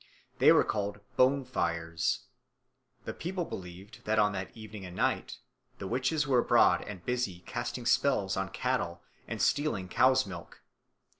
They were called bone fires. The people believed that on that evening and night the witches were abroad and busy casting spells on cattle and stealing cows' milk.